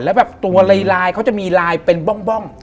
แล้วแบบตัวลายเขาจะมีลายเป็นบ้อง